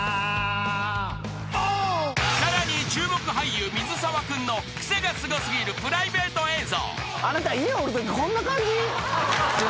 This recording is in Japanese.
［さらに注目俳優水沢君のクセがスゴ過ぎるプライベート映像］